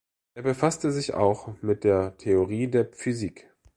Er befasste sich auch mit der Theorie der Physik.